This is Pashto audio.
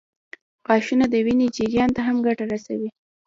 غاښونه د وینې جریان ته هم ګټه رسوي.